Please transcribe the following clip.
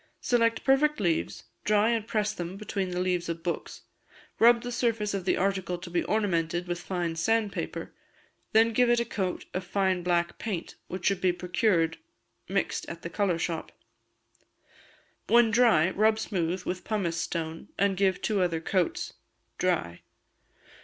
Select perfect leaves, dry and press them between the leaves of books; rub the surface of the article to be ornamented with fine sand paper, then give it a coat of fine black paint, which should be procured mixed at a colour shop. When dry rub smooth with pumice stone, and give two other coats. Dry.